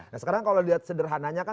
nah sekarang kalau dilihat sederhananya kan